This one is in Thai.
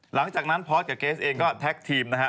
หลังจากนั้นพอสกับเกสเองก็แท็กทีมนะฮะ